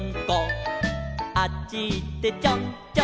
「あっちいってちょんちょん」